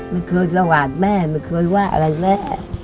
มันเคยสวาสตร์แม่มันเคยว่าอะไรแม่